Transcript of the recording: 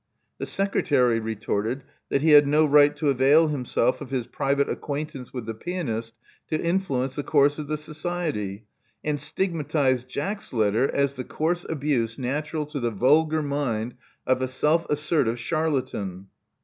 The secretary retorted that he had no right to avail himself of his private acquaintance with the pianist to influence the course of the Society, and stigmatized Jack's letter as the coarse abuse natural to the vulgar mind of a self assertive charlatan.